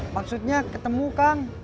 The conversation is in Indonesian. maksudnya ketemu kang